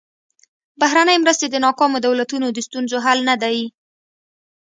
بهرنۍ مرستې د ناکامو دولتونو د ستونزو حل نه دي.